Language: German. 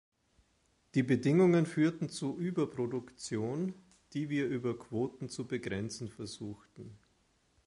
Die Bedingungen führten zu Überproduktion, die wir über Quoten zu begrenzen versuchten.